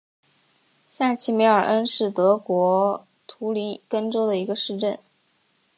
下齐梅尔恩是德国图林根州的一个市镇。